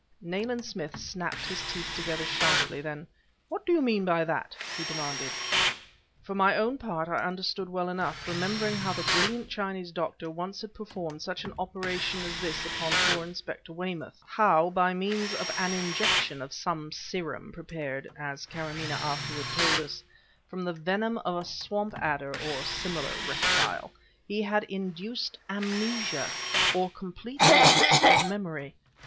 Nayland Smith snapped his teeth together sharply; then: "What do you mean by that?" he demanded. For my own part I understood well enough, remembering how the brilliant Chinese doctor once had performed such an operation as this upon poor Inspector Weymouth; how, by means of an injection of some serum prepared (as Karamaneh afterwards told us) from the venom of a swamp adder or similar reptile, he had induced amnesia, or complete loss of memory.